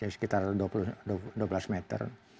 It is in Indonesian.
sekitar dua belas meter